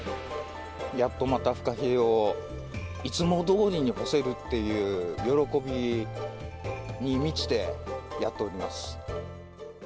やっとまたフカヒレを、いつもどおりに干せるっていう喜びに満ちてやっております。